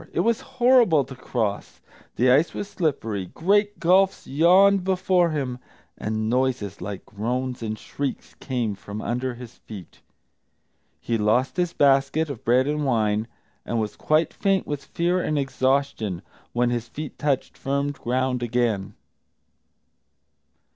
It was horrible to cross, the ice was slippery, great gulfs yawned before him, and noises like groans and shrieks came from under his feet. He lost his basket of bread and wine, and was quite faint with fear and exhaustion when his feet touched firm ground again.